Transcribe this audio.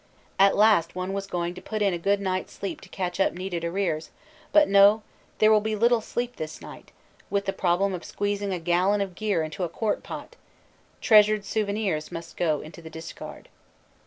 At last one was going to put in a good night s sleep to catch up needed arrears; but no, there will be little sleep this night, with the problem of squeezing a gallon of gear into a quart pot; treasured "souvenirs" must go into the discard.